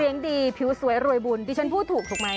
สลักดีผิวสวยรวยบุญพี่ฉันพูดถูกใช่ไหม